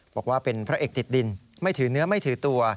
บอกว่าเป็นพระเอกติดดินไม่ถือเนื้อไม่ถือตัว